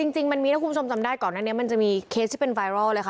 จริงมันมีถ้าคุณผู้ชมจำได้ก่อนหน้านี้มันจะมีเคสที่เป็นไวรัลเลยค่ะ